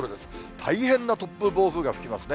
大変な突風、暴風が吹きますね。